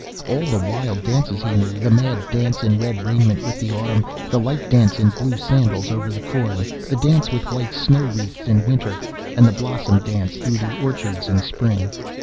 All the wild dances he knew, the mad dance in red raiment with the autumn, the light dance in blue sandals over the corn, the dance with white snow wreaths in winter, and the blossom dance through the orchards in spring.